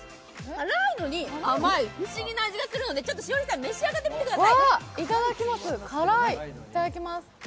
辛いのに甘い、不思議な味がするので、栞里さん、召し上がってみてください。